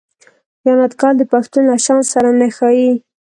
خیانت کول د پښتون له شان سره نه ښايي.